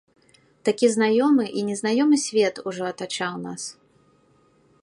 Такі знаёмы і незнаёмы свет ужо атачаў нас.